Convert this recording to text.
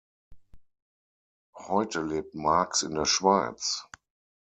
Heute lebt Marks in der Schweiz.